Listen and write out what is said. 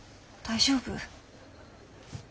大丈夫？